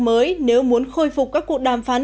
mới nếu muốn khôi phục các cuộc đàm phán